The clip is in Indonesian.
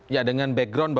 ya dengan background